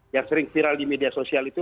yang sering viral di media sosial itu